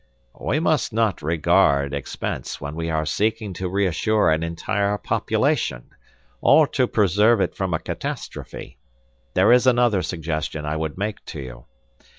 "We must not regard expense when we are seeking to reassure an entire population, or to preserve it from a catastrophe. There is another suggestion I would make to you.